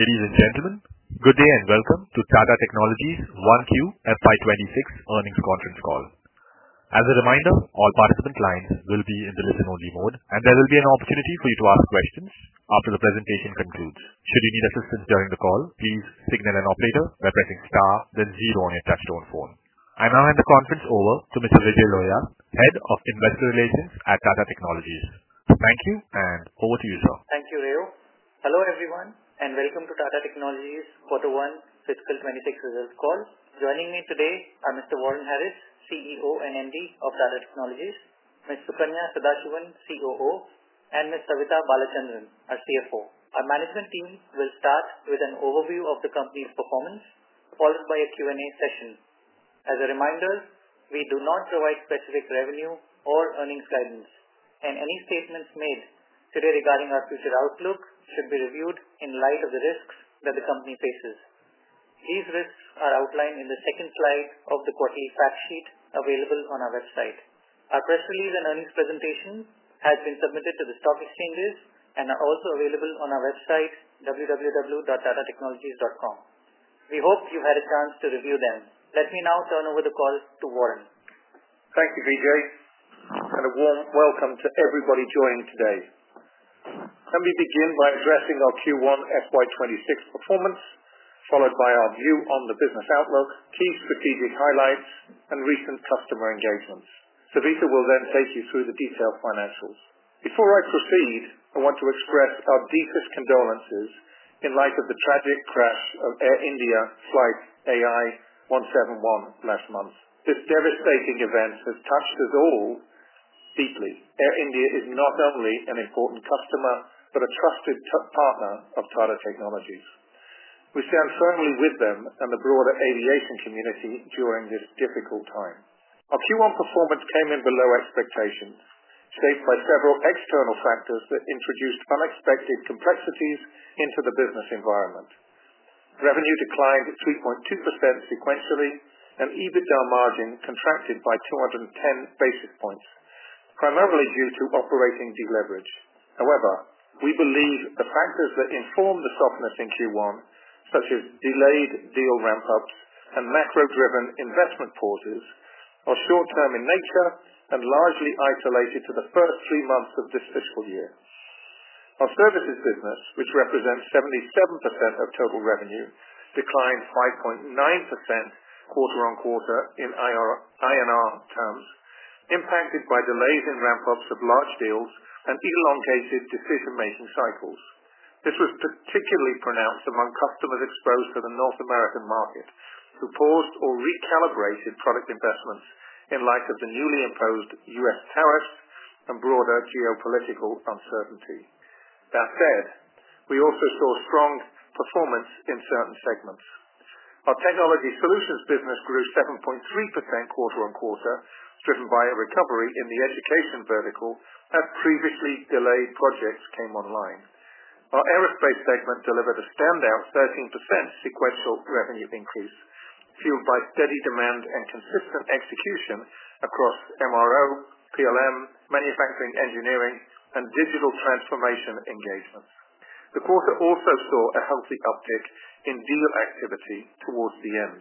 Ladies and gentlemen, good day, and welcome to Tata Technologies 1Q FY 'twenty six Earnings Conference Call. As a reminder, all participant lines will be in the listen only mode, and there will be an opportunity for you to ask questions after the presentation concludes. I now hand the conference over to Mr. Vijay Loia, Head of Investor Relations at Tata Technologies. Thank you, and over to you, sir. Thank you, Reo. Hello, everyone, and welcome to Tata Technologies quarter one fiscal twenty six results call. Joining me today are Mr. Warren Harris, CEO and MD of Tata Technologies Mr. Punya Sudhashivan, COO and Ms. Savita Balachandran, our CFO. Our management team will start with an overview of the company's performance, followed by a Q and A session. As a reminder, we do not provide specific revenue or earnings guidance, and any statements made today regarding our future outlook should be reviewed in light of the risks that the Company faces. These risks are outlined in the second slide of the quarterly fact sheet available on our website. Our press release and earnings presentation has been submitted to the stock exchanges and are also available on our website, www.datatechnologies.com. We hope you had a chance to review them. Let me now turn over the call to Warren. Thank you, Vijay, and a warm welcome to everybody joining today. Let me begin by addressing our q one FY twenty six performance, followed by our view on the business outlook, key strategic highlights, and recent customer engagements. Savitha will then take you through the detailed financials. Before I proceed, I want to express our deepest condolences in light of the tragic crash of Air India Flight AI one seven one last month. This devastating event has touched us all deeply. Air India is not only an important customer, but a trusted partner of Tata Technologies. We stand firmly with them and the broader aviation community during this difficult time. Our q one performance came in below expectations, shaped by several external factors that introduced unexpected complexities into the business environment. Revenue declined 3.2% sequentially and EBITDA margin contracted by 210 basis points, primarily due to operating deleverage. However, we believe the factors that inform the softness in q one, such as delayed deal ramp ups and macro driven investment forces, are short term in nature and largely isolated to the first three months of this fiscal year. Our services business, which represents 77% of total revenue, declined 5.9% quarter on quarter in I r INR terms, impacted by delays in ramp ups of large deals and elongated decision making cycles. This was particularly pronounced among customers exposed to the North American market who paused or recalibrated product investments in light of the newly imposed US tariffs and broader geopolitical uncertainty. That said, we also saw strong performance in certain segments. Our technology solutions business grew 7.3% quarter on quarter, driven by a recovery in the education vertical as previously delayed projects came online. Our aerospace segment delivered a standout 13% sequential revenue increase, fueled by steady demand and consistent execution across MRO, PLM, manufacturing engineering, and digital transformation engagements. The quarter also saw a healthy uptick in deal activity towards the end,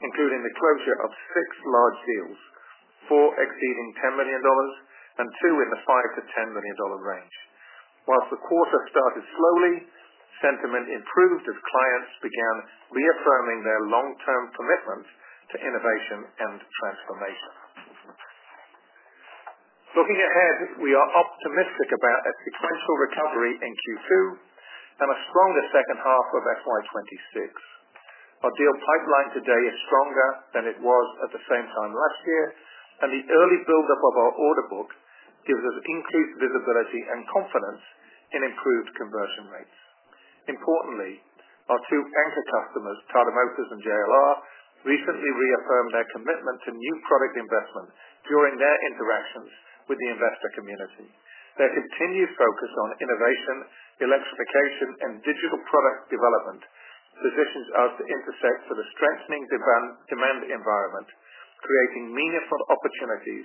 including the closure of six large deals, four exceeding $10,000,000 and two in the 5 to $10,000,000 range. Whilst the quarter started slowly, sentiment improved as clients began reaffirming their long term commitment to innovation and transformation. Looking ahead, we are optimistic about a sequential recovery in q two and a stronger second half of f y twenty six. Our deal pipeline today is stronger than it was at the same time last year, and the early buildup of our order book gives us increased visibility and confidence in improved conversion rates. Importantly, our two anchor customers, Tata Motors and JLR, recently reaffirmed their commitment to new product investment during their interactions with the investor community. Their continued focus on innovation, electrification, and digital product development positions us to intersect for the strengthening demand demand environment, creating meaningful opportunities,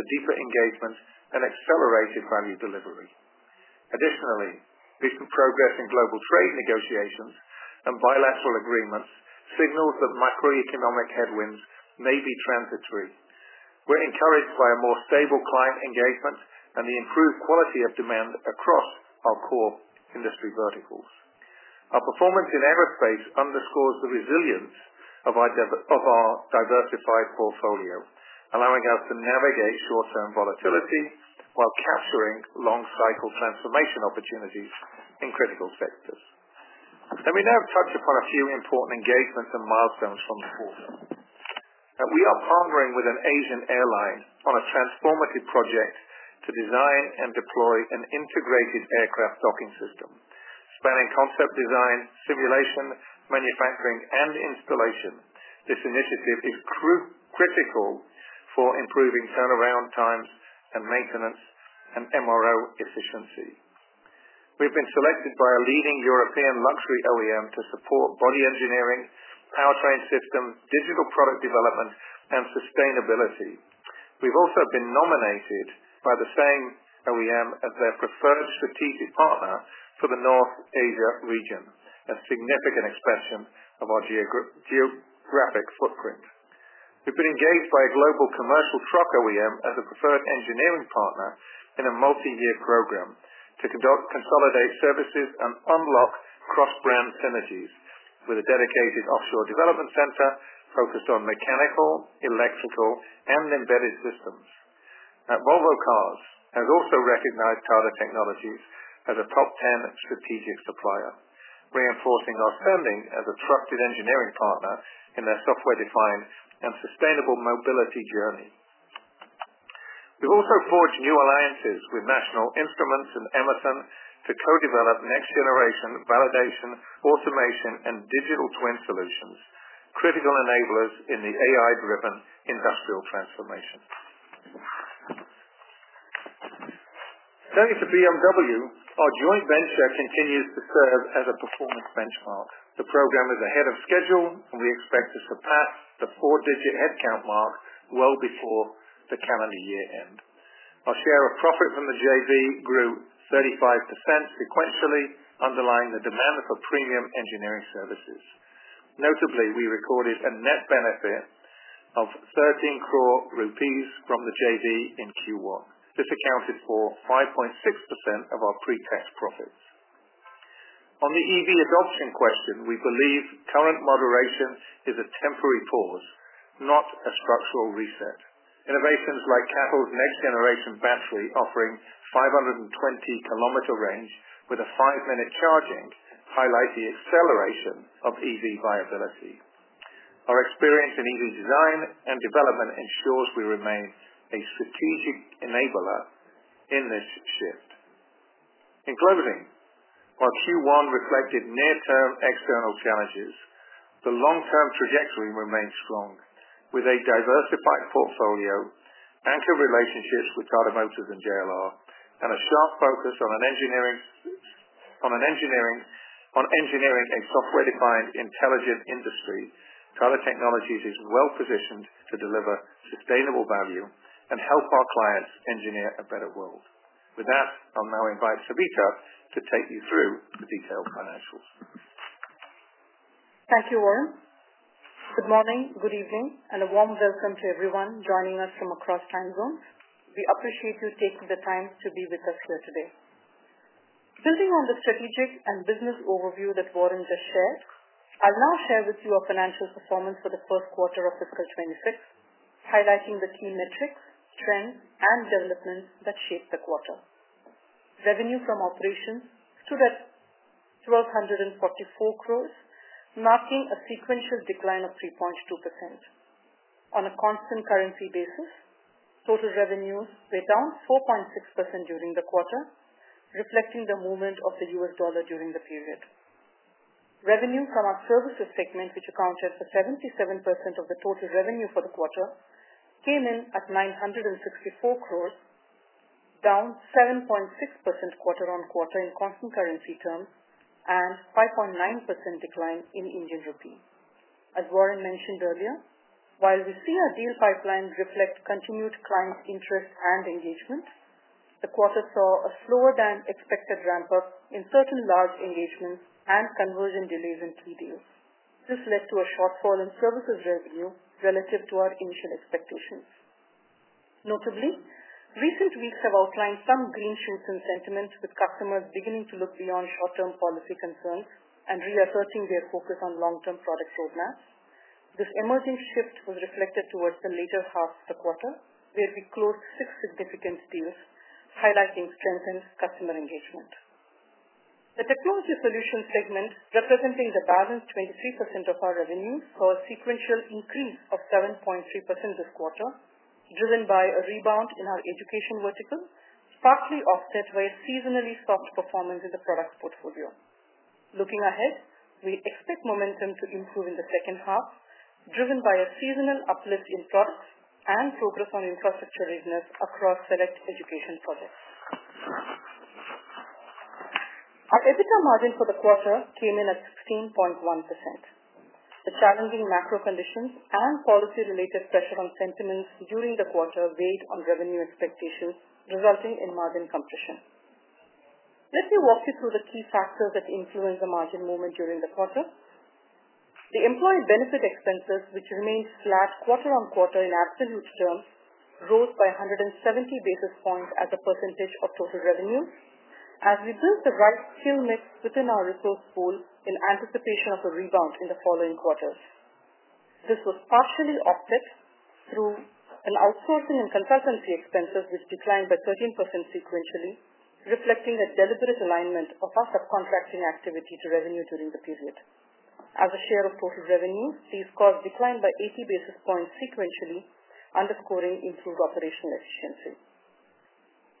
the deeper engagement, and accelerated value delivery. Additionally, recent progress in global trade negotiations and bilateral agreements signals that macroeconomic headwinds may be transitory. We're encouraged by a more stable client engagement and the improved quality of demand across our core industry verticals. Our performance in aerospace underscores the resilience of our of our diversified portfolio, allowing us to navigate short term volatility while capturing long cycle transformation opportunities in critical sectors. Let me now touch upon a few important engagements and milestones from the quarter. We are partnering with an Asian airline on a transformative project to design and deploy an integrated aircraft docking system, spanning concept design, simulation, manufacturing, and installation. This initiative is crew critical for improving turnaround times and maintenance and MRO efficiency. We've been selected by a leading European luxury OEM to support body engineering, powertrain system, digital product development, and sustainability. We've also been nominated by the same OEM as their preferred strategic partner for the North Asia region, a significant expansion of our geo geographic footprint. We've been engaged by a global commercial truck OEM as a preferred engineering partner in a multiyear program to conduct consolidate services and unlock cross brand synergies with a dedicated offshore development center focused on mechanical, electrical, and embedded systems. Volvo Cars has also recognized Tata Technologies as a top 10 strategic supplier, reinforcing our spending as a trusted engineering partner in their software defined and sustainable mobility journey. We've also forged new alliances with National Instruments and Emerson to co develop next generation validation, automation, and digital twin solutions, critical enablers in the AI driven industrial transformation. Turning to BMW. Our joint venture continues to serve as a performance benchmark. The program is ahead of schedule, and we expect to surpass the four digit head count mark well before the calendar year end. Our share of profit from the JV grew 35% sequentially, underlying the demand for premium engineering services. Notably, we recorded a net benefit of 13 crore rupees from the JV in q one. This accounted for 5.6% of our pretax profits. On the EV adoption question, we believe current moderation is a temporary pause, not a structural reset. Innovations like Cattles next generation battery offering 520 kilometer range with a five minute charging highlight the acceleration of EV viability. Our experience in EV design and development ensures we remain a strategic enabler in this shift. In closing, while q one reflected near term external challenges, the long term trajectory remains strong with a diversified portfolio, anchor relationships with Tata Motors and JLR, and a sharp focus on an engineering on an engineering on engineering a software defined intelligent industry, Kala Technologies is well positioned to deliver sustainable value and help our clients engineer a better world. With that, I'll now invite Sabita to take you through the detailed financials. Thank you, Warren. Good morning, good evening, and a warm welcome to everyone joining us from across time zones. We appreciate you taking the time to be with us here today. Building on the strategic and business overview that Warren just shared, I'll now share with you our financial performance for the first quarter of fiscal twenty twenty six, highlighting the key metrics, trends and developments that shaped the quarter. Revenue from operations stood at 1244 crores, marking a sequential decline of 3.2%. On a constant currency basis, total revenues were down 4.6% during the quarter, reflecting the movement of the U. S. Dollar during the period. Revenue from our services segment, which accounted for 77% of the total revenue for the quarter, came in at 964 crores, down 7.6% quarter on quarter in constant currency terms and 5.9% decline in Indian rupee. As Warren mentioned earlier, while we see our deal pipeline reflect continued client interest and engagement, The quarter saw a slower than expected ramp up in certain large engagements and conversion delays in key deals. This led to a shortfall in services revenue relative to our initial expectations. Notably, recent weeks have outlined some green shoots in sentiment with customers beginning to look beyond short term policy concerns and reasserting their focus on long term product roadmap. This emerging shift was reflected towards the later half of the quarter, where we closed six significant deals, highlighting strengthened customer engagement. The Technology Solutions segment, representing the balance 23% of our revenue, saw a sequential increase of 7.3% this quarter, driven by a rebound in our education vertical, partly offset by seasonally soft performance in the product portfolio. Looking ahead, we expect momentum to improve in the second half, driven by a seasonal uplift in products and focus on infrastructure readiness across select education projects. Our EBITDA margin for the quarter came in at 16.1%. The challenging macro conditions and policy related pressure on sentiments during the quarter weighed on revenue expectations resulting in margin compression. Let me walk you through the key factors that influenced the margin movement during the quarter. The employee benefit expenses, which remained flat quarter on quarter in absolute terms, rose by 170 basis points as a percentage of total revenue as we built the right skill mix within our resource pool in anticipation of a rebound in the following quarters. This was partially offset through an outsourcing and consultancy expenses, which declined by 13% sequentially, reflecting a deliberate alignment of our subcontracting activity to revenue during the period. As a share of total revenue, these costs declined by 80 basis points sequentially, underscoring improved operational efficiency.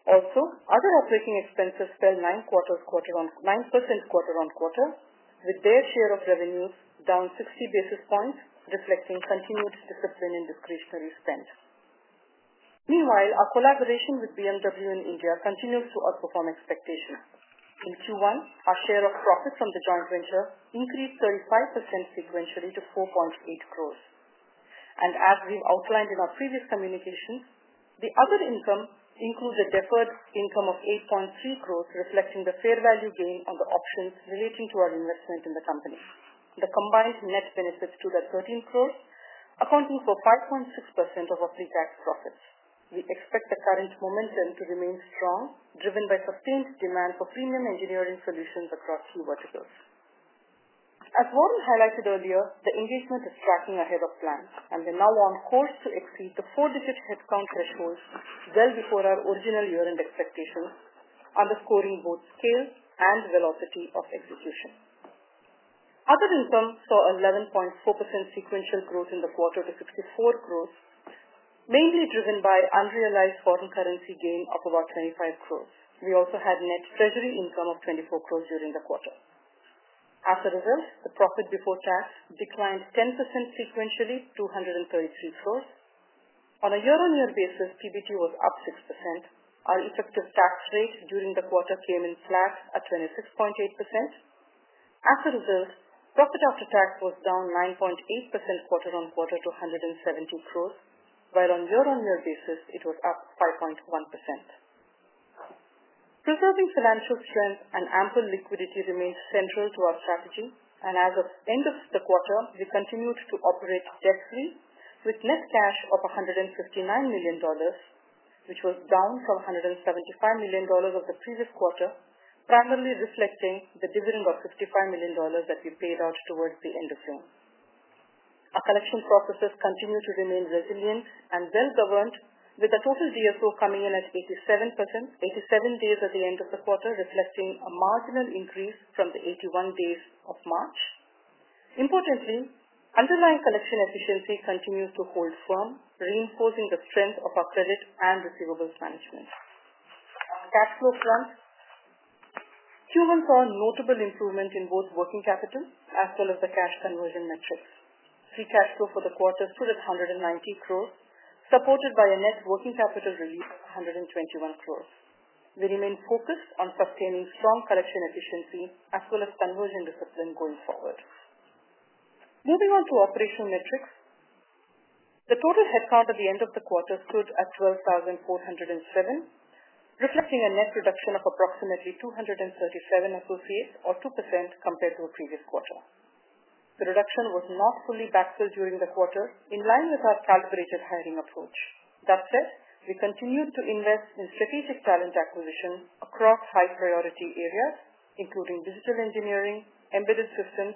Also, operating expenses fell 9% quarter on quarter with their share of revenues down 60 basis points, reflecting continued discipline in discretionary spend. Meanwhile, our collaboration with BMW in India continues to outperform expectations. In Q1, our share of profit from the joint venture increased 35% sequentially to 4.8 crores. And as we've outlined in our previous communication, the other income includes a deferred income of 8.3 crores, reflecting the fair value gain on the options relating to our investment in the Company. The combined net benefits stood at 13 crores, accounting for 5.6% of our pretax profits. We expect the current momentum to remain strong, driven by sustained demand for premium engineering solutions across key verticals. As Warren highlighted earlier, the engagement is tracking ahead of plan and we're now on course to exceed the four digit headcount threshold well before our original year end expectations, underscoring both scale and velocity of execution. Other income saw 11.4% sequential growth in the quarter to 64 crores, mainly driven by unrealized foreign currency gain of about 25 crores. We also had net treasury income of 24 crores during the quarter. As a result, the profit before tax declined 10% sequentially to crores. On a year on year basis, PBT was up 6%. Our effective tax rate during the quarter came in flat at 26.8%. As a result, profit after tax was down 9.8% quarter on quarter to INR170 crores, while on year on year basis, it was up 5.1%. Preserving financial strength and ample liquidity remains central And as of end of the quarter, we continued to operate debt free with net cash of $159,000,000 which was down from $175,000,000 of the previous quarter, primarily reflecting the dividend of $65,000,000 that we paid out towards the June. Our collection processes continue to remain resilient and well governed with the total DSO coming in at 87%, eighty seven days at the end of the quarter, reflecting a marginal increase from the eighty one days of March. Importantly, underlying collection efficiency continues to hold firm, reinforcing the strength of our credit and receivables management. Cash flow front, Q1 saw a notable improvement in both working capital as well as the cash conversion metrics. Free cash flow for the quarter stood at 190 crores, supported by a net working capital release of 121 crores. We remain focused on sustaining strong collection efficiency as well as conversion discipline going forward. Moving on to operational metrics. The total headcount at the end of the quarter stood at 12407 crores, reflecting a net reduction of approximately two thirty seven associates or 2% compared to the previous quarter. The reduction was not fully backfilled during the quarter, in line with our calculated hiring approach. That said, we continue to invest in strategic talent acquisition across high priority areas, including digital engineering, embedded systems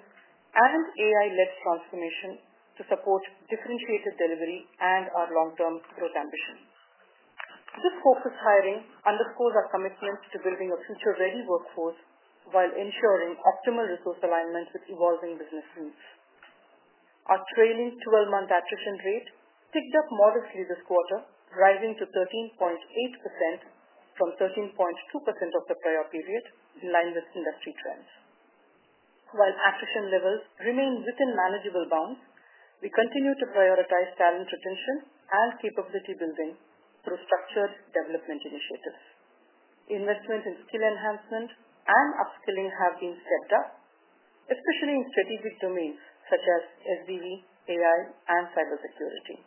and AI led transformation to support differentiated delivery and our long term growth ambition. This focused hiring underscores our commitment to building a future ready workforce, while ensuring optimal resource alignment with evolving business needs. Our trailing twelve month attrition rate ticked up modestly this quarter, rising to 13.8% from 13.2% of the prior period, in line with industry trends. While attrition levels remain within manageable bounds, we continue to prioritize talent retention and capability building through structured development initiatives. Investments in skill enhancement and upskilling have been stepped up, especially in strategic domains such as SBV, AI and cybersecurity.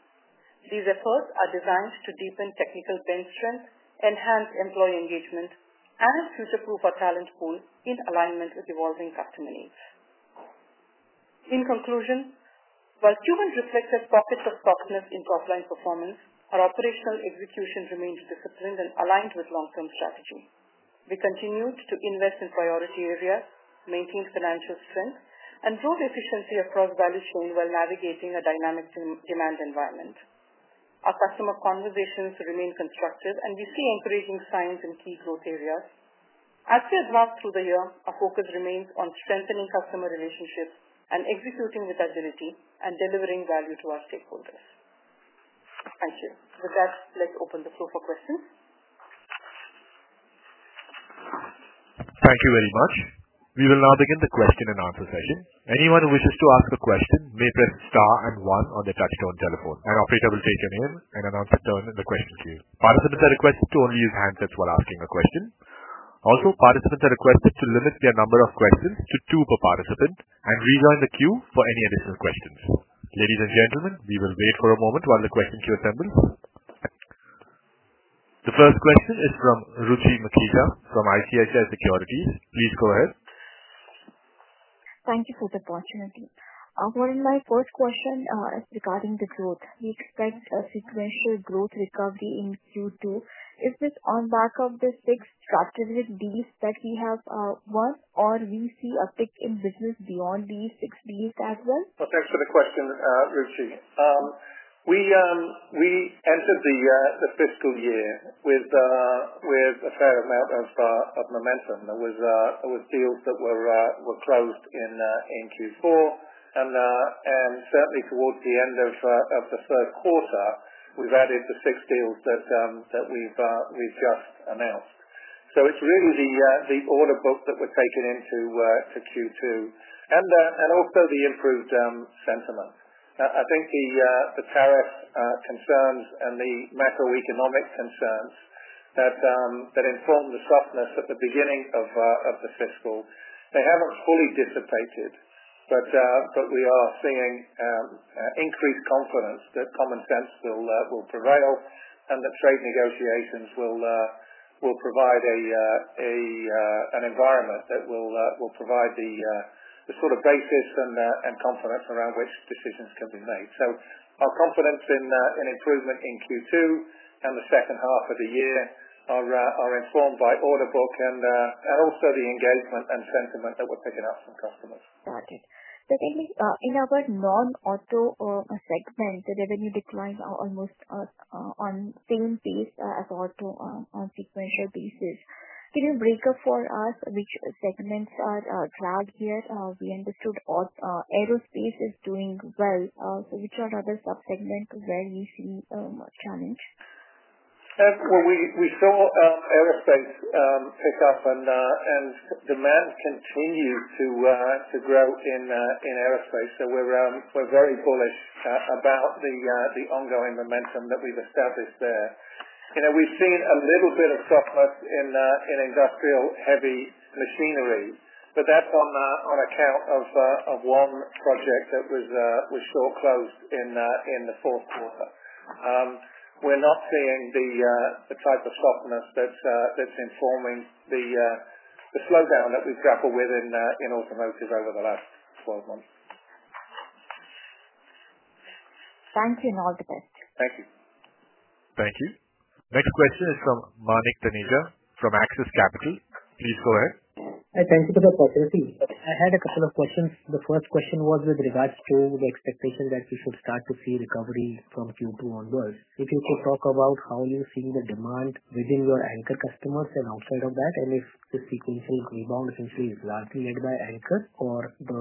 These efforts are designed to deepen technical bench strength, enhance employee engagement and future proof our talent pool in alignment with evolving customer needs. In conclusion, while Q1 reflected profit softness in top line performance, our operational execution remains disciplined and aligned with long term strategy. We continued to invest in priority areas, maintained financial strength and grow efficiency across value chain while navigating a dynamic demand environment. Our customer conversations remain constructive and we see encouraging signs in key growth areas. As we have walked through the year, our focus remains on strengthening customer relationships and executing with agility and delivering value to our stakeholders. Thank you. With that, let's open the floor for questions. Thank you very much. We will now begin the question and answer session. Anyone who wishes to ask a question may press star and one on the touch tone telephone. An operator will take your name, and then I'll return the question queue. Participants are requested to only use handsets while asking a question. Also, participants are requested to limit their number of questions to two per participant and rejoin the queue for any additional questions. Ladies and gentlemen, we will wait for a moment while the question queue assembles. The first question is from Ruchi Makita from ICHI Securities. Please go ahead. Thank you for the opportunity. Well, my first question is regarding the growth. We expect a sequential growth recovery in q two. Is this on back of the six structured lease that we have won or we see a pick in business beyond these six deals as well? Well, thanks for the question, Ruchi. We we entered the the fiscal year with with a fair amount of of momentum. There was there was deals that were were closed in in q four. And and certainly towards the end of of the third quarter, we've added the six deals that that we've we've just announced. So it's really the the order book that we're taking into to q two and and also the improved sentiment. I think the the tariff concerns and the macroeconomic concerns that that informed the softness at the beginning of of the fiscal, they haven't fully dissipated, but but we are seeing increased confidence that common sense will will prevail and the trade negotiations will will provide a a an environment that will will provide the the sort of basis and and confidence around which decisions can be made. So our confidence in in improvement in q two and the second half of the year are are informed by order book and and also the engagement and sentiment that we're picking up from customers. Got it. Secondly, in our non auto segment, the revenue declined almost on same pace as auto on sequential basis. Can you break up for us which segments are dragged here? We understood aerospace is doing well. So which are the other sub segment where we see challenge? Well, we we saw aerospace pick up and and demand continued to to grow in in aerospace. So we're we're very bullish about the the ongoing momentum that we've established there. You know, we've seen a little bit of softness in in industrial heavy machinery, but that's on on account of of one project that was we saw closed in in the fourth quarter. We're not seeing the the type of softness that's that's informing the the slowdown that we've grappled within in automotive over the last twelve months. Thank you and all the best. Thank you. Thank you. Next question is from Manik Taneja from Axis Capital. Please go ahead. I had a couple of questions. The first question was with regards to the expectation that we should start to see recovery from Q2 onwards. If you could talk about how you're seeing the demand within your anchor customers and outside of that? And if the sequential rebound essentially is largely led by anchor or the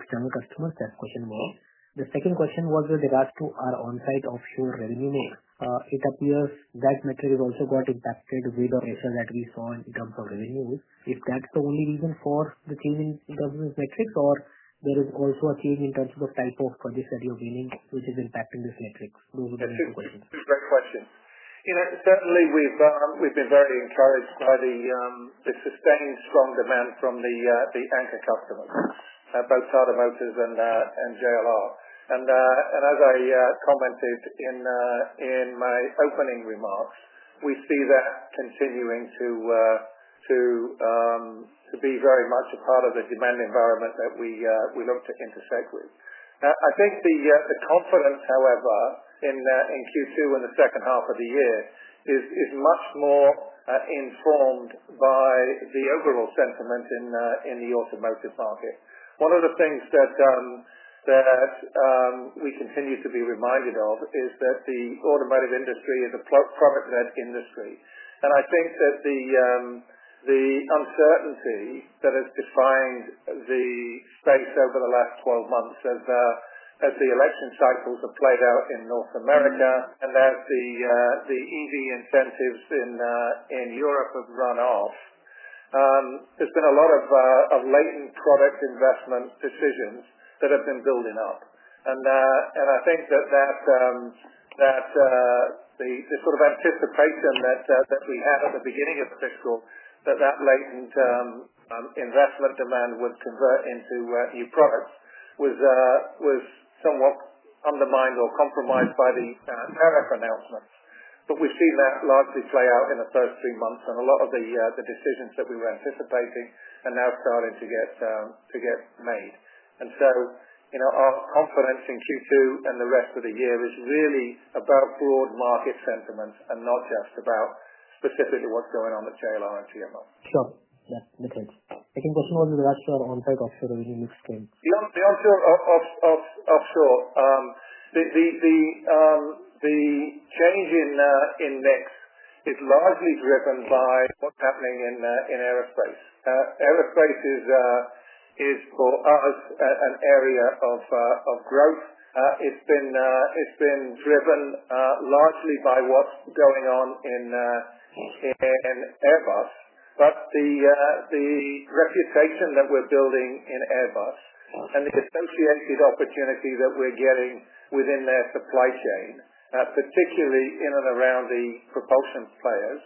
external customers? That question was. The second question was with regards to our on-site offshore revenue mix. It appears that metric is also got impacted with the ratio that we saw in terms of revenue. Is that the only reason for the change in terms of metrics or there is also a change in terms of type of conditions that you're winning, which is impacting this metrics? Those are the two questions. Two great questions. You know, certainly, we've we've been very encouraged by the the sustained strong demand from the the anchor customers, both Tata Motors and and JLR. And and as I commented in in my opening remarks, we see that continuing to to to be very much a part of the demand environment that we we look to intersect with. I think the the confidence, however, in in q two and the second half of the year is is much more informed by the overall sentiment in in the automotive market. One of the things that that we continue to be reminded of is that the automotive industry is a product led industry. And I think that the the uncertainty that has defined the space over the last twelve months as as the election cycles have played out in North America and as the the EV incentives in in Europe have run off, there's been a lot of of latent product investment decisions that have been building up. And and I think that that that the the sort of anticipation that that we had at the beginning of fiscal that that latent investment demand would convert into new products was was somewhat undermined or compromised by the tariff announcements. But we've seen that largely play out in the first three months, and a lot of the the decisions that we were anticipating are now starting to get to get made. And so, you know, our confidence in q two and the rest of the year is really about broad market sentiment and not just about specifically what's going on with JLR and CMO. Sure. Yeah. Makes sense. I can question on the rest of the on-site offshore and the next thing. The on the onshore of of of offshore, the the the change in in mix is largely driven by what's happening in in aerospace. Aerospace is is, for us, an area of of growth. It's been it's been driven largely by what's going on in in Airbus. But the the reputation that we're building in Airbus and the differentiated opportunity that we're getting within their supply chain, particularly in and around the propulsion players,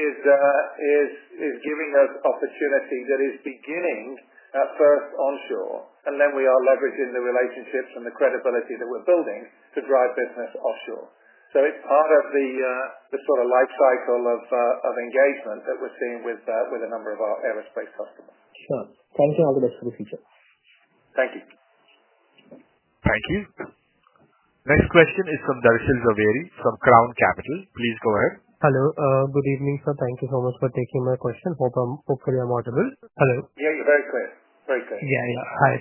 is is is giving us opportunity that is beginning first onshore, and then we are leveraging the relationships and the credibility that we're building to drive business offshore. So it's part of the the sort of life cycle of of engagement that we're seeing with with a number of our aerospace customers. Sure. Thank you. All the best for the future. Thank you. Thank you. Next question is from Darshil Zawari from Crown Capital. Please go ahead. Hello. Good evening, sir. Thank you so much for taking my question. Hope I'm hopefully I'm audible. Hello? Yeah. You're very clear. Very clear. Yeah. Yeah. Hi.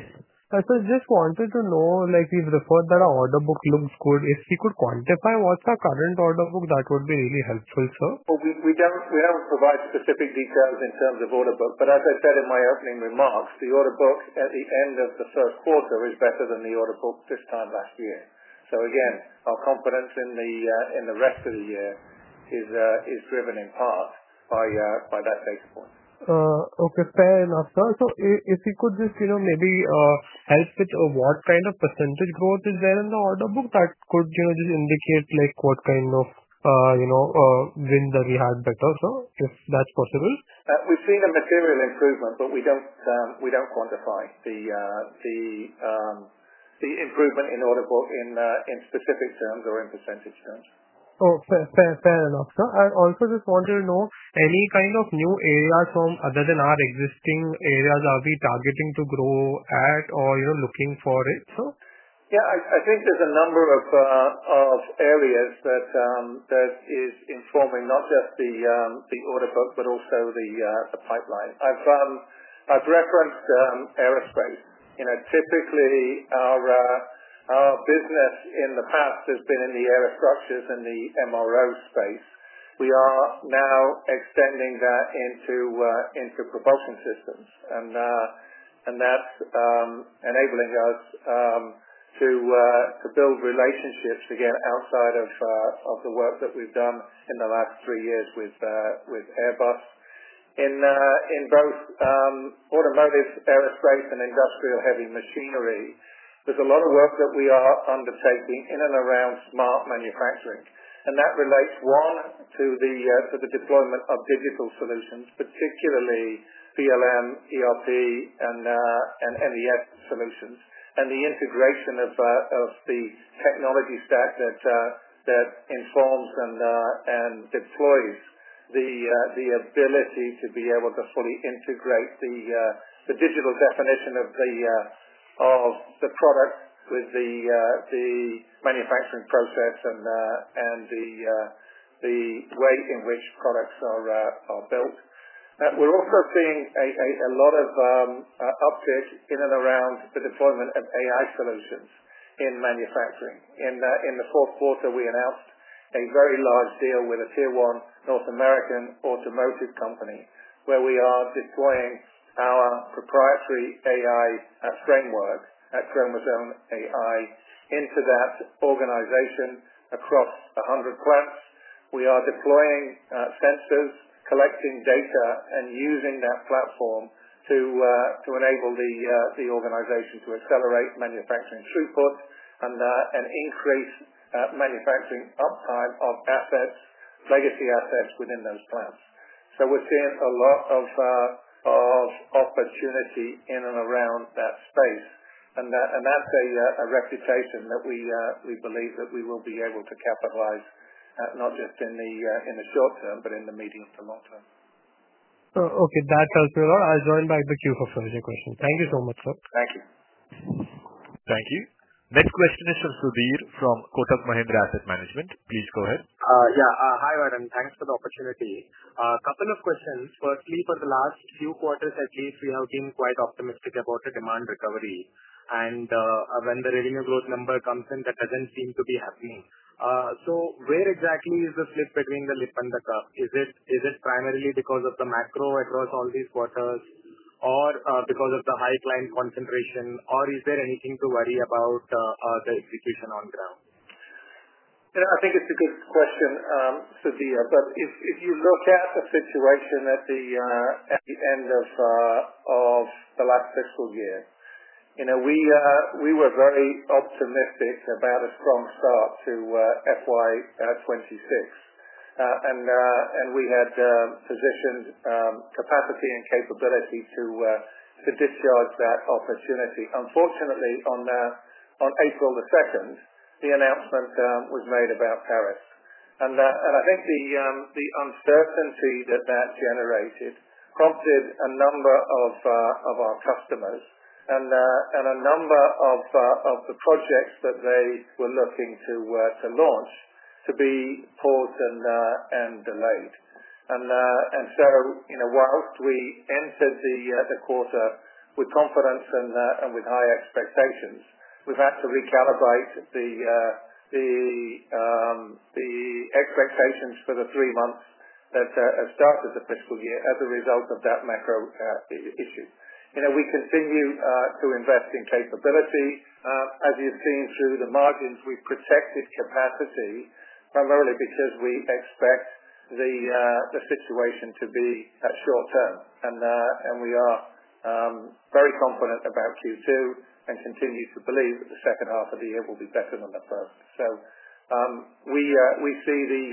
Sir, I just wanted to know, like, we've referred that our order book looks good. If we could quantify what's our current order book, that would be really helpful, sir. Well, we we don't we don't provide specific details in terms of order book. But as I said in my opening remarks, the order book at the end of the first quarter is better than the order book this time last year. So, again, our confidence in the in the rest of the year is is driven in part by by that data point. Okay. Fair enough, sir. So if you could just, you know, maybe help with what kind of percentage growth is there in the order book that could, you know, just indicate, like, what kind of, you know, win that we had better, sir, if that's possible? We've seen a material improvement, but we don't we don't quantify the the the improvement in order book in in specific terms or in percentage terms. Okay. Fair fair enough, sir. I also just want to know any kind of new areas from other than our existing areas are we targeting to grow at or, you know, looking for it, sir? Yeah. I I think there's a number of of areas that that is informing not just the the order book, but also the the pipeline. I've I've referenced aerospace. You know, typically, our our business in the past has been in the aerostructures and the MRO space. We are now extending that into into propulsion systems, and and that's enabling us to to build relationships, again, outside of of the work that we've done in the last three years with with Airbus. In in both automotive, aerospace, and industrial heavy machinery, there's a lot of work that we are undertaking in and around smart manufacturing. And that relates, one, to the to the deployment of digital solutions, particularly BLM, ERP, and and and the edge solutions, and the integration of of the technology stack that that informs and and deploys the the ability to be able to fully integrate the the digital definition of the of the product with the the manufacturing process and and the the way in which products are are built. We're also seeing a a a lot of uptick in and around the deployment of AI solutions in manufacturing. In the in the fourth quarter, we announced a very large deal with a tier one North American automotive company where we are deploying our proprietary AI framework at Chromosome AI into that organization across a 100 quests. We are deploying sensors, collecting data, and using that platform to to enable the the organization to accelerate manufacturing throughput and and increase manufacturing uptime of assets, legacy assets within those plants. So we're seeing a lot of of opportunity in and around that space, and that and that's a a reputation that we we believe that we will be able to capitalize not just in the in the short term, but in the medium to long term. Oh, okay. That helps me a lot. I'll join back the queue for further questions. Thank you so much, sir. Thank you. Thank you. Next question is from Sudhir from Kotak Mahindra Asset Management. Please go ahead. Yeah. Hi, madam. Thanks for the opportunity. Couple of questions. Firstly, for the last few quarters, at least, we have been quite optimistic about the demand recovery. And when the revenue growth number comes in, that doesn't seem to be happening. So where exactly is the split between the lip and the cup? Is it is it primarily because of the macro across all these quarters or because of the high client concentration? Or is there anything to worry about the execution on ground? I think it's a good question, Sofia. But if if you look at the situation at the at the end of of the last fiscal year, you know, we we were very optimistic about a strong start to f y twenty six, And and we had positioned capacity and capability to to discharge that opportunity. Unfortunately, on on April, the announcement was made about Paris. And and I think the the uncertainty that that generated prompted a number of of our customers and and a number of of the projects that they were looking to to launch to be paused and and delayed. And and so, you know, whilst we entered the the quarter with confidence and and with high expectations, we've had to recalibrate the the the expectations for the three months that have started the fiscal year as a result of that macro issue. You know, we continue to invest in capability. As you've seen through the margins, we protected capacity primarily because we expect the the situation to be short term, and and we are very confident about q two and continue to believe that the second half of the year will be better than the first. So we we see the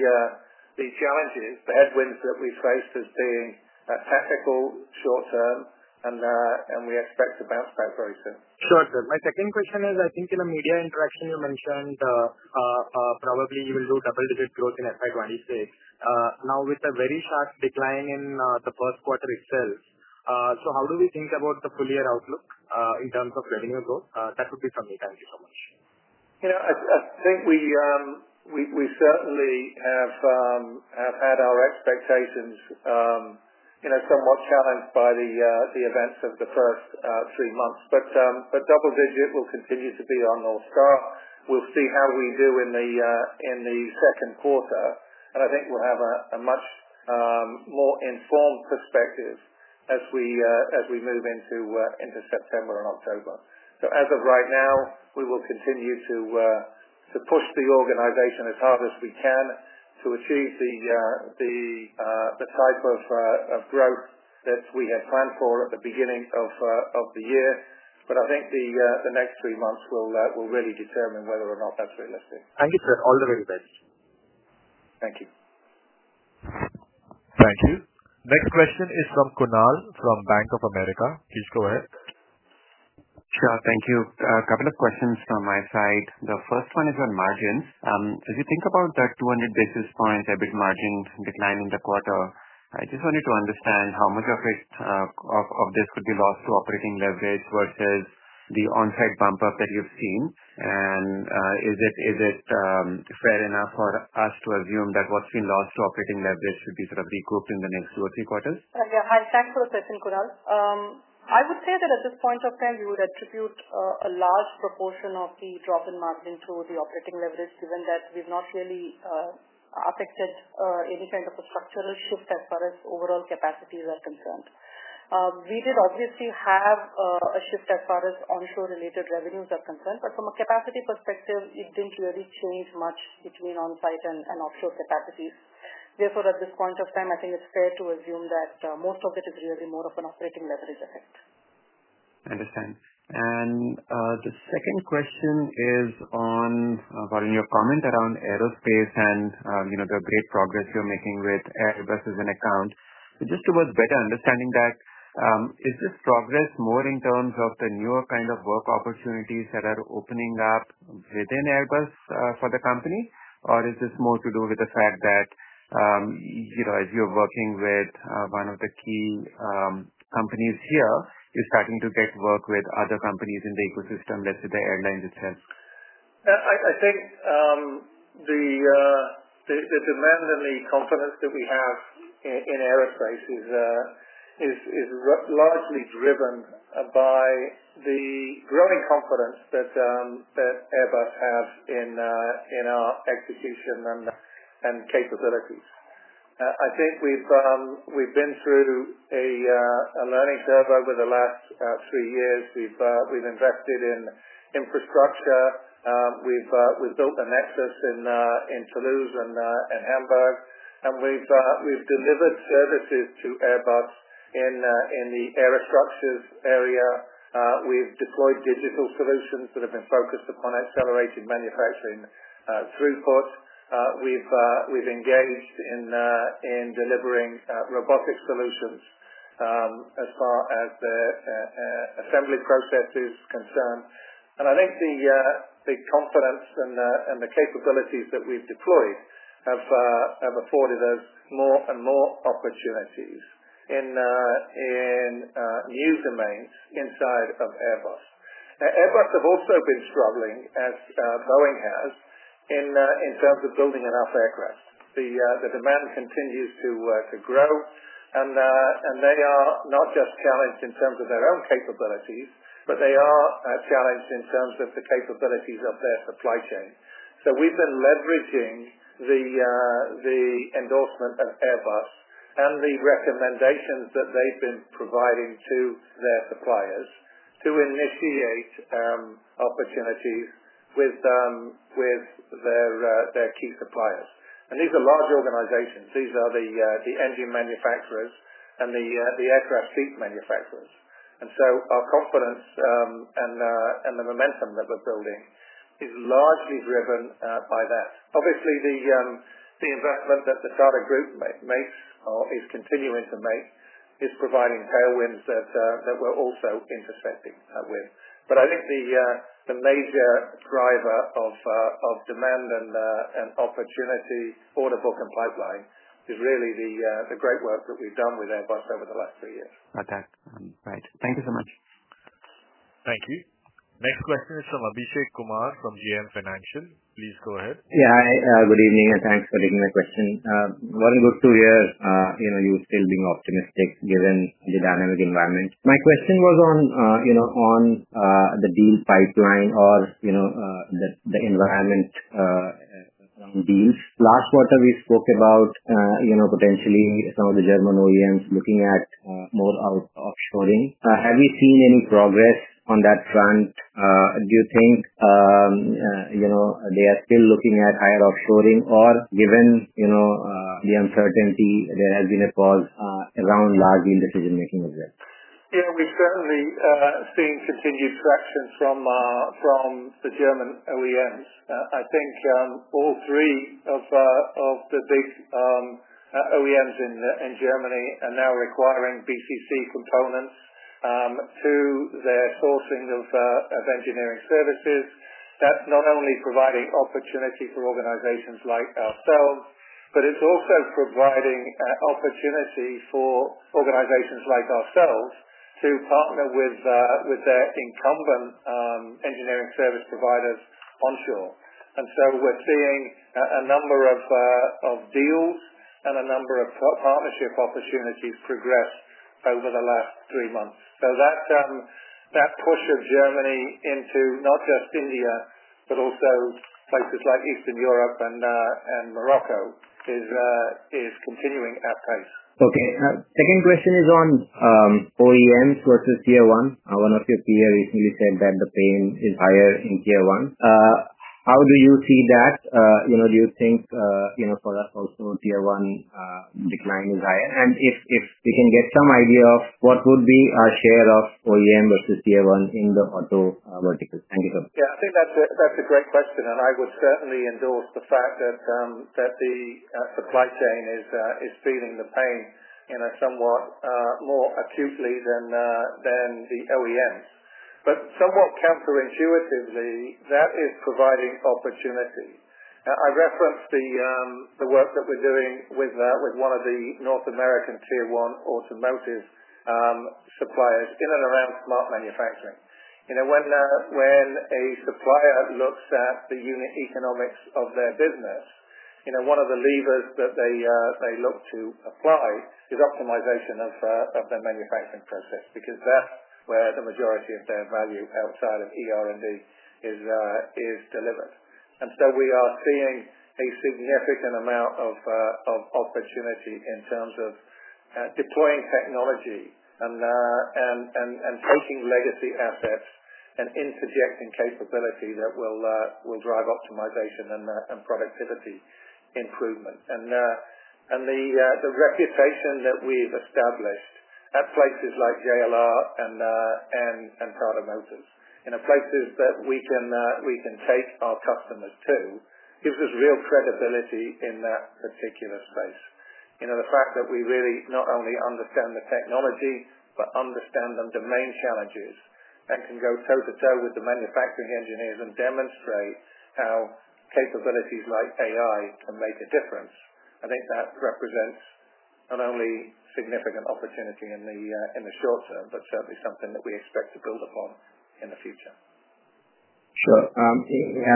the challenges, the headwinds that we faced as being tactical short term, and and we expect to bounce back very soon. Sure, sir. My second question is, I think in the media interaction, mentioned probably you will do double digit growth in f I twenty six. Now with a very sharp decline in the first quarter itself, So how do we think about the full year outlook in terms of revenue growth? That would be from me. Thank you so much. Yeah. I I think we we we certainly have have had our expectations, you know, somewhat challenged by the the events of the first three months. But but double digit will continue to be on North Star. We'll see how we do in the in the second quarter, and I think we'll have a a much more informed perspective as we as we move into into September and October. So as of right now, we will continue to to push the organization as hard as we can to achieve the the the type of of growth that we had planned for at the beginning of of the year. But I think the the next three months will will really determine whether or not that's realistic. Thank you, sir. All the very best. Thank you. Thank you. Next question is from Kunal from Bank of America. Please go ahead. Sure. Thank you. A couple of questions from my side. The first one is on margins. As you think about that 200 basis points EBIT margin decline in the quarter, I just wanted to understand how much of it of of this could be lost to operating leverage versus the on-site bump up that you've seen. And is it is it fair enough for us to assume that what's been lost to operating leverage should be sort of recouped in the next two or three quarters? Yes. Hi. Thanks for the question, Kunal. I would say that at this point of time, we would attribute a large proportion of the drop in margin to the operating leverage given that we've not really affected any kind of a structural shift as far as overall capacities are concerned. We did obviously have a shift as far as onshore related revenues are concerned, but from a capacity perspective, it didn't really change much between on-site and offshore capacities. Therefore, this point of time, I think it's fair to assume that most of it is really more of an operating leverage effect. Understand. And the second question is Varun, your comment around aerospace and the great progress you're making with Airbus as an account. So just towards better understanding that, is this progress more in terms of the newer kind of work opportunities that are opening up within Airbus for the company? Or is this more to do with the fact that, you know, as you're working with one of the key companies here, you're starting to get work with other companies in the ecosystem, let's say, the airlines itself? I I think the the the demand and the confidence that we have in aerospace is is is largely driven by the growing confidence that that Airbus has in in our execution and and capabilities. I think we've we've been through a a learning curve over the last three years. We've we've invested in infrastructure. We've we've built an access in in Toulouse and Hamburg, and we've we've delivered services to Airbus in in the aerostructures area. We've deployed digital solutions that have been focused upon accelerating manufacturing throughput. We've we've engaged in in delivering robotic solutions as far as the assembly process is concerned. And I think the the confidence and the and the capabilities that we've deployed have have afforded us more and more opportunities in in new domains inside of Airbus. Airbus have also been struggling as Boeing has in in terms of building enough aircraft. The the demand continues to to grow, and and they are not just challenged in terms of their own capabilities, but they are challenged in terms of the capabilities of their supply chain. So we've been leveraging the the endorsement of Airbus and the recommendations that they've been providing to their suppliers to initiate opportunities with with their their key suppliers. And these are large organizations. These are the the engine manufacturers and the the aircraft fleet manufacturers. And so our confidence and and the momentum that we're building is largely driven by that. Obviously, the the investment that the Tata Group makes or is continuing to make is providing tailwinds that that we're also intersecting with. But I think the the major driver of of demand and and opportunity for the book and pipeline is really the the great work that we've done with Airbus over the last three years. Okay. Right. Thank you so much. Thank you. Next question is from Abhishek Kumar from GM Financial. Please go ahead. Yeah. Hi. Good evening, and thanks for taking my question. Very good to hear you're still being optimistic given the dynamic environment. My question was on the deal pipeline or the environment from these. Last quarter, we spoke about potentially some of the German OEMs looking at more out offshoring. Have you seen any progress on that front? Do you think they are still looking at higher offshoring or given, you know, the uncertainty, there has been a pause around large deal decision making of that? Yeah. We certainly are seeing continued traction from from the German OEMs. I think all three of of the big OEMs in in Germany are now requiring BCC components to their sourcing of of engineering services that not only providing opportunity for organizations like ourselves, but it's also providing opportunity for organizations like ourselves to partner with with their incumbent engineering service providers onshore. And so we're seeing a number of of deals and a number of partnership opportunities progress over the last three months. So that that push of Germany into not just India, but also places like Eastern Europe and and Morocco is is continuing at pace. Okay. Second question is on OEMs versus tier one. One of your peers recently said that the pain is higher in tier one. How do you see that? You know, do you think, you know, for us also tier one decline is higher? And if if we can get some idea of what would be our share of OEM versus tier one in the auto vertical? Thank you, Tom. Yeah. I think that's a that's a great question, and I would certainly endorse the fact that that the supply chain is is feeling the pain in a somewhat more acutely than than the OEMs. But somewhat counterintuitively, that is providing opportunity. I referenced the the work that we're doing with with one of the North American tier one automotive suppliers in and around smart manufacturing. You know, when when a supplier looks at the unit economics of their business, you know, one of the levers that they they look to apply is optimization of of their manufacturing process because that's where the majority of their value outside of e r and d is is delivered. And so we are seeing a significant amount of of opportunity in terms of deploying technology and and and and taking legacy assets and interjecting capability that will will drive optimization and and productivity improvement. And and the the reputation that we've established at places like JLR and and and Tata Motors, you know, places that we can we can take our customers to gives us real credibility in that particular space. You know, the fact that we really not only understand the technology, but understand the domain challenges and can go toe to toe with the manufacturing engineers and demonstrate how capabilities like AI can make a difference. I think that represents not only significant opportunity in the in the short term, but certainly something that we expect to build upon in the future. Sure. I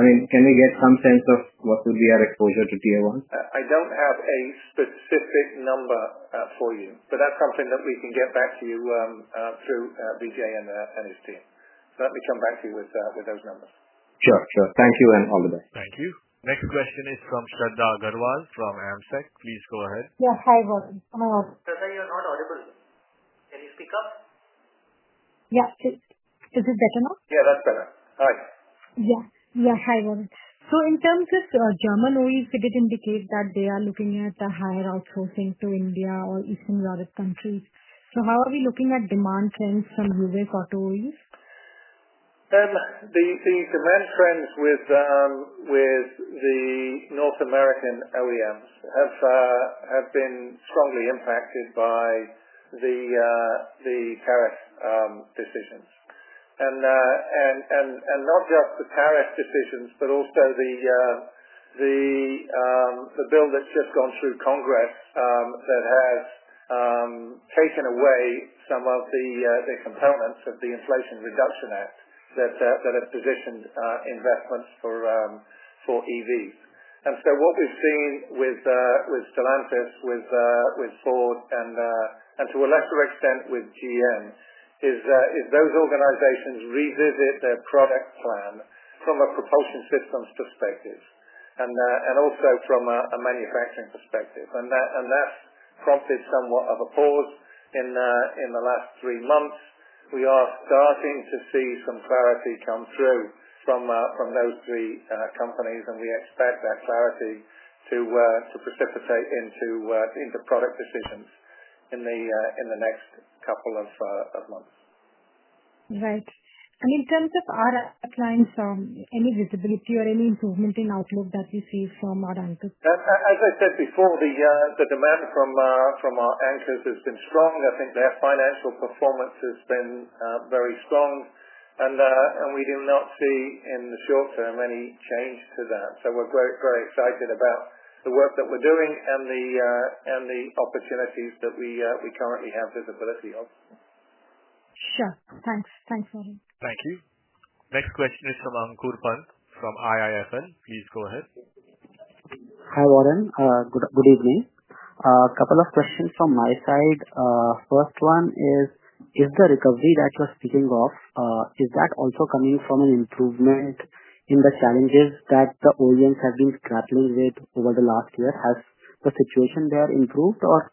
mean, can we get some sense of what would be our exposure to tier one? I don't have a specific number for you, but that's something that we can get back to you through Vijay and and his team. So let me come back to you with with those numbers. Sure. Sure. Thank you, and all the best. Thank you. Next question is from Shanda Gargwal from Amsec. Please go ahead. Yeah. Hi, Warren. Sir, you're not audible. Can you speak up? Yeah. Is it better now? Yeah. That's better. Alright. Yeah. Yeah. Hi, Warren. So in terms of German, did indicate that they are looking at the higher sourcing to India or Eastern Europe countries. So how are we looking at demand trends from UWIC auto OEs? The the demand trends with with the North American OEMs have have been strongly impacted by the the tariff decisions. And and and and not just the tariff decisions, but also the the the bill that's just gone through congress that has taken away some of the the components of the inflation reduction act that that have positioned investments for for EVs. And so what we've seen with with Stellantis, with with Ford, and to a lesser extent with GM, is that if those organizations revisit their product plan from a propulsion systems perspective and and also from a a manufacturing perspective. And that and that's prompted somewhat of a pause in in the last three months. We are starting to see some clarity come through from from those three companies, and we expect that clarity to to precipitate into into product decisions in the in the next couple of of months. Right. And in terms of our clients, visibility or any improvement in outlook that we see from our anchors? As said before, the the demand from from our anchors has been strong. I think their financial performance has been very strong, and and we do not see in the short term any change to that. So we're very, very excited about the work that we're doing and the and the opportunities that we we currently have visibility of. Sure. Thanks. Thanks, Noreen. Thank you. Next question is from Ankur Pant from IIFL. Please go ahead. Hi, Warren. Good good evening. Couple of questions from my side. First one is, is the recovery that you're speaking of, is that also coming from an improvement in the challenges that the OEMs have been grappling with over the last year? Has the situation there improved? Or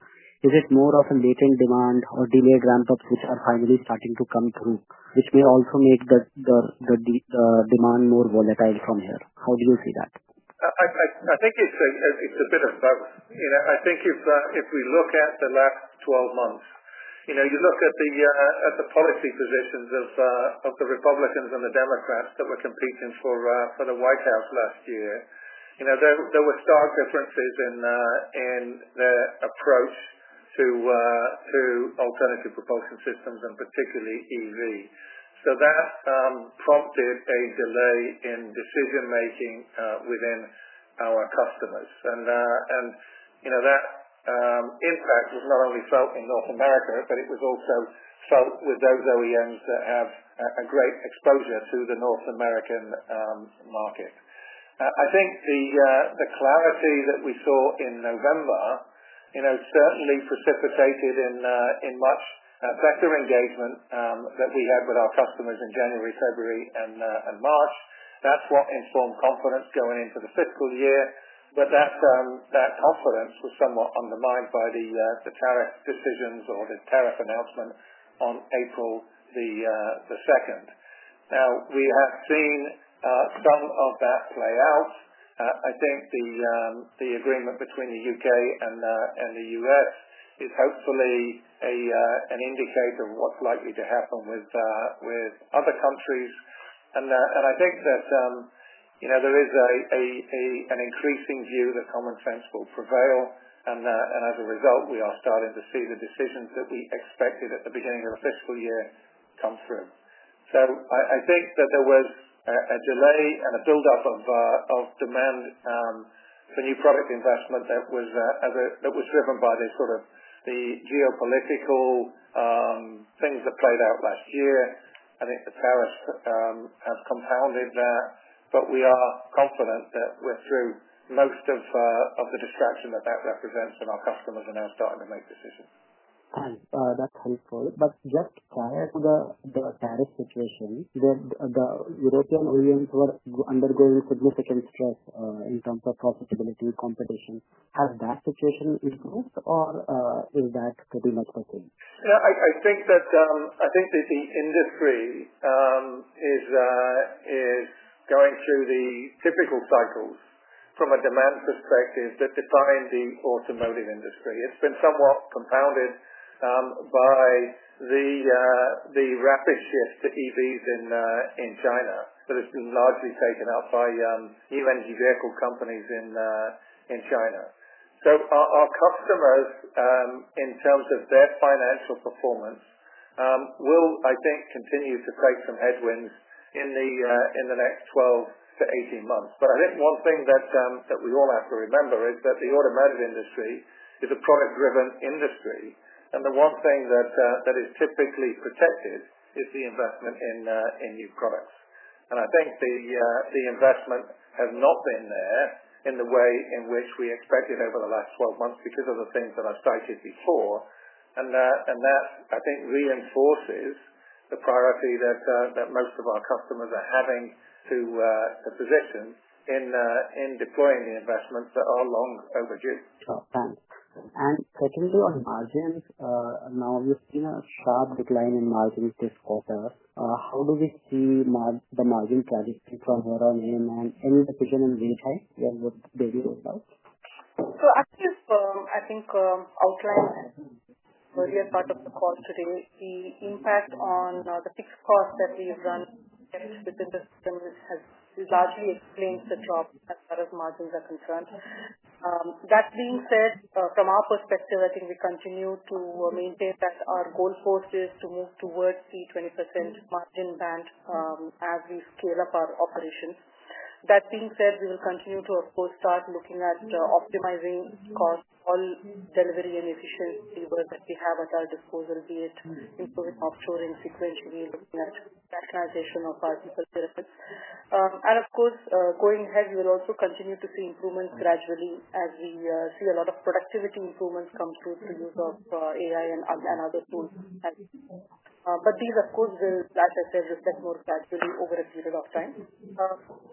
is it more of a latent demand or delayed ramp up which are finally starting to come through, which may also make the the the the demand more volatile from here? How do you see that? I I I think it's a it's a bit of a bug. You know, I think if if we look at the last twelve months, you know, you look at the at the policy positions of of the Republicans and the Democrats that were competing for for the White House last year, you know, there there were stark differences in in their approach to to alternative propulsion systems and particularly EV. So that prompted a delay in decision making within our customers. And and, you know, that impact was not only felt in North America, but it was also felt with those OEMs that have a great exposure to the North American market. I think the the clarity that we saw in November, you know, certainly precipitated in in much better engagement that we had with our customers in January, February, and and March. That's what informed confidence going into the fiscal year, but that that confidence was somewhat undermined by the the tariff decisions or the tariff announcement on April. Now we have seen some of that play out. I think the the agreement between The UK and the and The US is hopefully a an indicator of what's likely to happen with with other countries. And and I think that, you know, there is a a a an increasing view that common sense will prevail. And and as a result, we are starting to see the decisions that we expected at the beginning of the fiscal year come through. So I I think that there was a delay and a buildup of of demand for new product investment that was as a that was driven by the sort of the geopolitical things that played out last year. I think the tariffs have compounded that, but we are confident that we're through most of of the distraction that that represents, and our customers are now starting to make decisions. Alright. That's helpful. But just prior to the the tariff situation, the the European OEMs were undergoing significant stress in terms of profitability competition. Has that situation improved or is that pretty much working? Yeah. I I think that I think that the industry is is going through the typical cycles from a demand perspective that define the automotive industry. It's been somewhat compounded by the the rapid shift to EVs in in China, but it's been largely taken up by eVENGI vehicle companies in in China. So our our customers, in terms of their financial performance, will, I think, continue to create some headwinds in the in the next twelve to eighteen months. But I think one thing that that we all have to remember is that the automotive industry is a product driven industry, And the one thing that that is typically protected is the investment in in new products. And I think the the investment has not been there in the way in which we expected over the last twelve months because of the things that I've cited before. And that and that, I think, reinforces the priority that that most of our customers are having to position in in deploying the investments that are long overdue. Okay. And secondly, on margins, now we've seen a sharp decline in margins this quarter. How do we see the margin trajectory from here on in? And any decision in the meantime, when would they do it out? So I think I think I'll try earlier part of the call today, the impact on the fixed cost that we've done within the system has largely explained the job as far as margins are concerned. That being said, from our perspective, I think we continue to maintain that our goal post is to move towards the 20% margin band as we scale up our operations. That being said, we will continue to, of course, start looking at optimizing cost on delivery and efficient labor that we have at our disposal, be it improving offshore and sequentially looking at rationalization of our people service. And, of course, going ahead, we will also continue to see improvements gradually as we see a lot of productivity improvements come through to use of AI and and other tools. But these, of course, will, like I said, reflect more gradually over a period of time.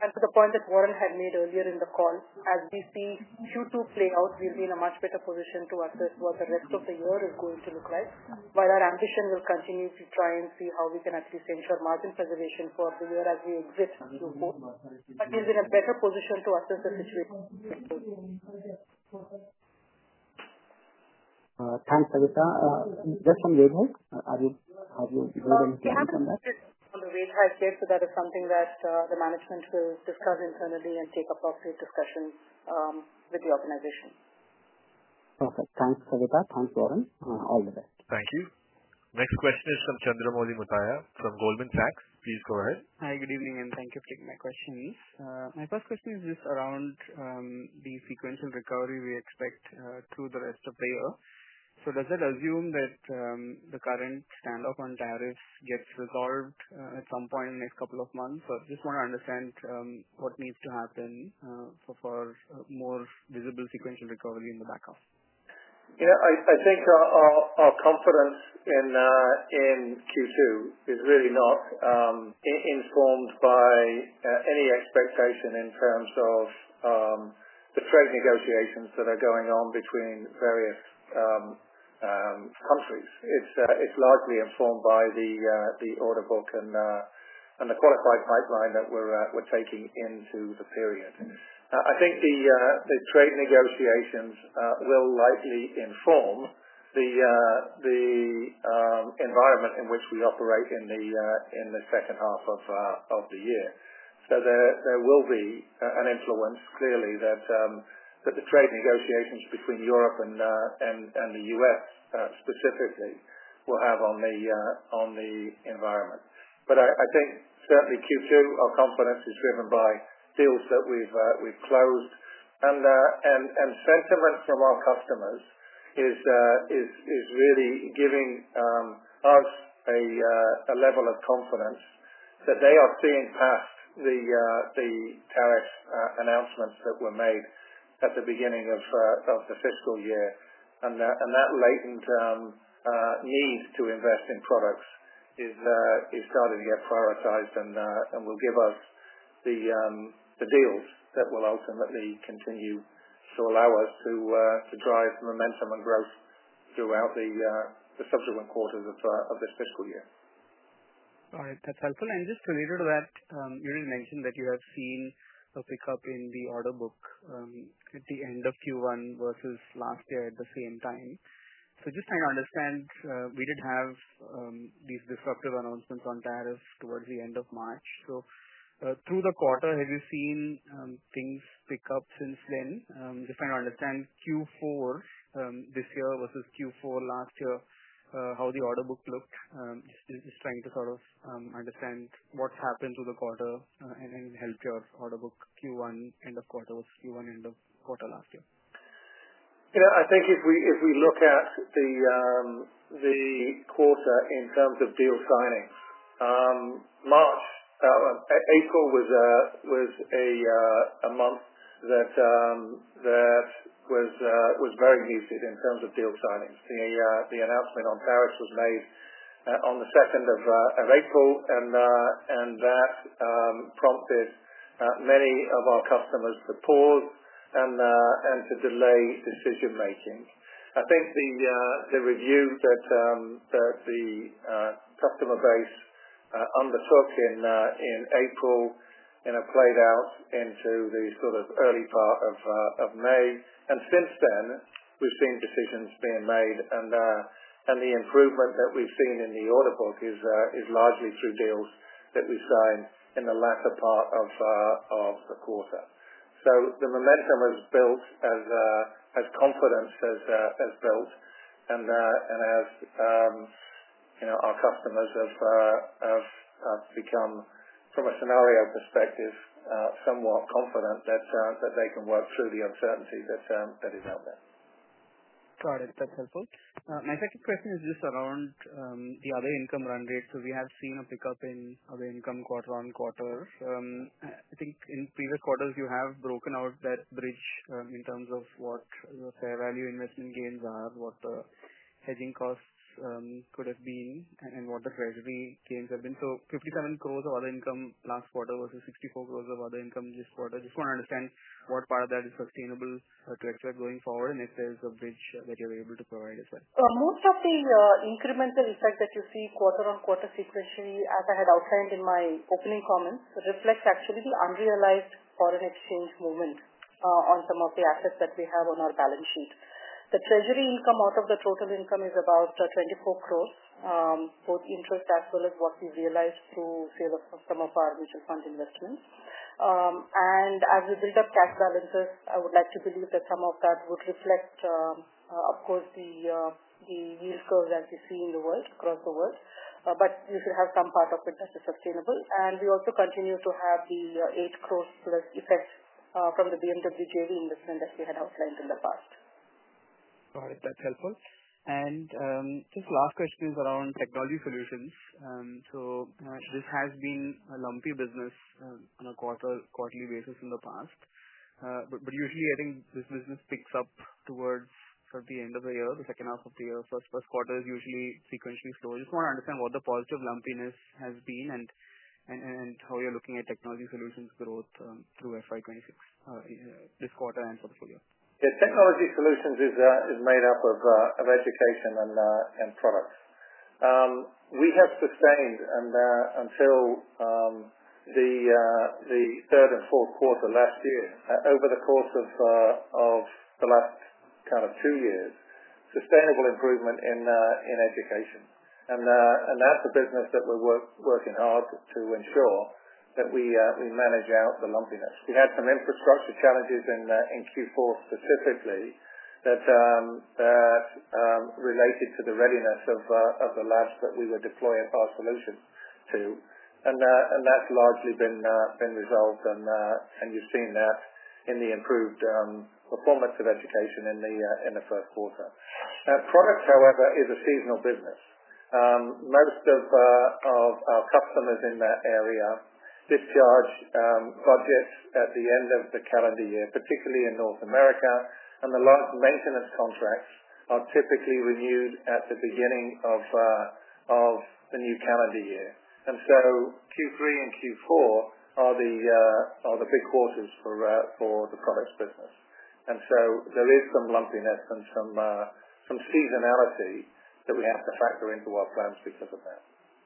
And to the point that Warren had made earlier in the call, as we see Q2 play out, we'll be in a much better position to assess what the rest of the year is going to look like. But our ambition will continue to try and see how we can actually ensure margin preservation for the year as we exit. But he's in a better position to assess the situation. Thanks, Abita. Just on the rate hike, are you are you going to do something on that? On the rate hike, yes, so that is something that the management will discuss internally and take appropriate discussions with the organization. Perfect. Thanks for the time. Thanks, Lauren. All the best. Thank you. Next question is from Chandramodi Mutaya from Goldman Sachs. Please go ahead. Hi, good evening, and thank you for taking my questions. My first question is just around the sequential recovery we expect through the rest of the year. So does that assume that the current standoff on tariffs gets resolved at some point in the next couple of months? So I just wanna understand what needs to happen for for more visible sequential recovery in the back half. Yeah. I I think our confidence in in q two is really not informed by any expectation in terms of the trade negotiations that are going on between various countries. It's it's largely informed by the the order book and and the qualified pipeline that we're we're taking into the period. I think the the trade negotiations will likely inform the the environment in which we operate in the in the second half of of the year. So there there will be an influence clearly that that the trade negotiations between Europe and and and The US specifically will have on the on the environment. But I I think, certainly, q two, our confidence is driven by deals that we've we've closed. And and and sentiment from our customers is is is really giving us a a level of confidence that they are seeing past the the tariffs announcements that were made at the beginning of of the fiscal year. And that and that latent need to invest in products is is starting to get prioritized and and will give us the the deals that will ultimately continue to allow us to to drive momentum and growth throughout the the subsequent quarters of of this fiscal year. Alright. That's helpful. And just related to that, you did mention that you have seen a pickup in the order book at the end of q one versus last year at the same time. So just trying to understand, we did have these disruptive announcements on tariffs towards the March. So through the quarter, have you seen things pick up since then? Just trying to understand q four this year versus q four last year, how the order book looked? Just just trying to sort of understand what happened to the quarter and and help your order book q one end of quarter was q one end of quarter last year. Yeah. I think if we if we look at the the quarter in terms of deal signings, March April was a was a a month that that was was very muted in terms of deal signings. The the announcement on tariffs was made on the second of of April, and and that prompted many of our customers to pause and and to delay decision making. I think the the review that that the customer base undertook in in April and have played out into the sort of early part of of May. And since then, we've seen decisions being made, and and the improvement that we've seen in the order book is is largely through deals that we signed in the latter part of of the quarter. So the momentum is built as as confidence has has built and and as, you know, our customers have have have become, from a scenario perspective, somewhat confident that that they can work through the uncertainty that that is out there. Got it. That's helpful. My second question is just around the other income run rate. So we have seen a pickup in other income quarter on quarter. I think in previous quarters, you have broken out that bridge in terms of what the fair value investment gains are, what hedging costs could have been, and what the treasury gains have been. So 57 crores of other income last quarter versus 64 crores of other income this quarter. Just wanna understand what part of that is sustainable to extract going forward and if there's a bridge that you're able to provide as well? Most of the incremental effect that you see quarter on quarter sequentially, as I had outlined in my opening comments, reflects actually the unrealized foreign exchange movement on some of the assets that we have on our balance sheet. The treasury income out of the total income is about 24 crores, both interest as well as what we realized through sale of some of our mutual fund investments. And as we build up cash balances, I would like to believe that some of that would reflect, of course, the yield curve that we see in the world, across the world. But you should have some part of it that is sustainable. And we also continue to have the 8 crores plus effect from the BMW JV investment that we had outlined in the past. Got it. That's helpful. And just last question is around technology solutions. So this has been a lumpy business on a quarter quarterly basis in the past. But but usually, I think this business picks up towards sort of the end of the year, the second half of the year. First first quarter is usually sequentially slow. Just wanna understand what the positive lumpiness has been and and and how you're looking at technology solutions growth through FY '26 this quarter and for the full year? Yeah. Technology solutions is is made up of of education and and products. We have sustained and until the the third and fourth quarter last year over the course of of the last kind of two years, sustainable improvement in in education. And and that's a business that we're work working hard to ensure that we we manage out the lumpiness. We had some infrastructure challenges in in q four specifically that that related to the readiness of of the labs that we were deploying our solution to, And and that's largely been been resolved, and and you've seen that in the improved performance of education in the in the first quarter. Products, however, is a seasonal business. Most of of our customers in that area discharge budgets at the end of the calendar year, particularly in North America. And the lot of maintenance contracts are typically renewed at the beginning of of the new calendar year. And so q three and q four are the are the big quarters for for the products business. And so there is some lumpiness and some some seasonality that we have to factor into our plans because of that.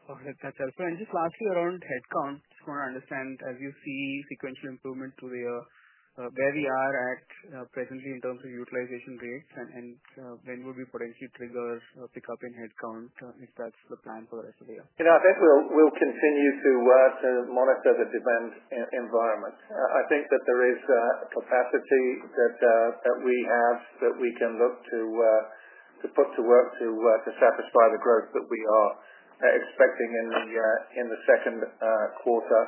Okay. That's helpful. And just lastly around headcount, just wanna understand as you see sequential improvement to the where we are at presently in terms of utilization rates and and when will we potentially trigger a pickup in headcount if that's the plan for the rest of the year? You know, think we'll we'll continue to to monitor the demand environment. I think that there is a capacity that that we have that we can look to to put to work to to satisfy the growth that we are expecting in the in the second quarter.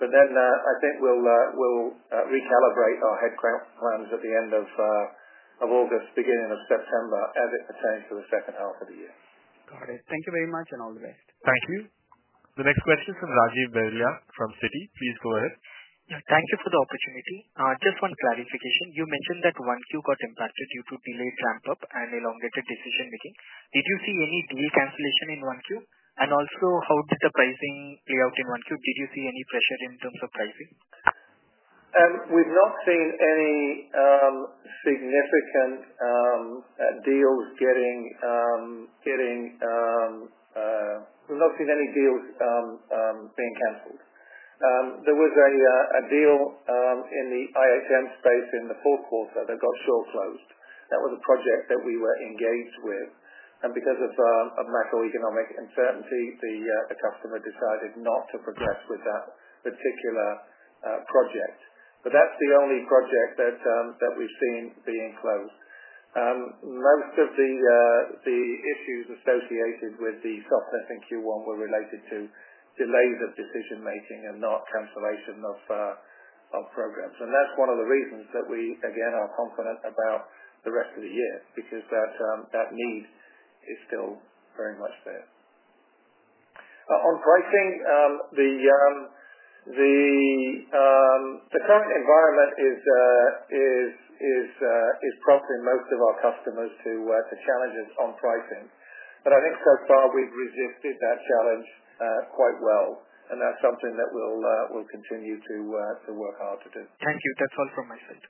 But then I think we'll we'll recalibrate our head count plans at the end of of August, September as it pertains to the second half of the year. Got it. Thank you very much and all the best. Thank you. The next question is from Rajiv Beria from Citi. Please go ahead. Thank you for the opportunity. Just one clarification. You mentioned that 1Q got impacted due to delayed ramp up and elongated decision making. Did you see any delay cancellation in one q? And also, how did the pricing play out in one q? Did you see any pressure in terms of pricing? We've not seen any significant deals getting getting we've not seen any deals being canceled. There was a a deal in the IHM space in the fourth quarter that got short closed. That was a project that we were engaged with. And because of macroeconomic uncertainty, the the customer decided not to progress with that particular project. But that's the only project that that we've seen being closed. Most of the the issues associated with the softness in q one were related to delays of decision making and not cancellation of of programs. And that's one of the reasons that we, again, are confident about the rest of the year because that that need is still very much there. On pricing, the the current environment is is is prompting most of our customers to to challenges on pricing. But I think so far, we've resisted that challenge quite well, and that's something that we'll we'll continue to to work hard to do. Thank you. That's all from my side.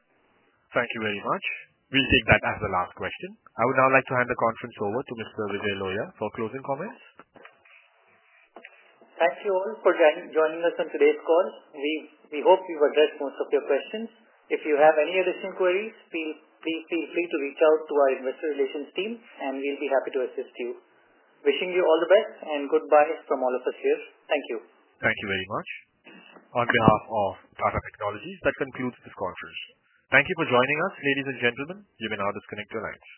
Thank you very much. We'll take that as the last question. I would now like to hand the conference over to Mr. Vijay Loia for closing comments. Thank you all for joining us on today's call. We hope we've addressed most of your questions. If you have any additional queries, feel feel feel free to reach out to our investor relations team, and we'll be happy to assist you. Wishing you all the best, and goodbye from all of us here. Thank you. Thank you very much. On behalf of Tata Technologies, that concludes this conference. Thank you for joining us. Ladies and gentlemen, you may now disconnect your lines.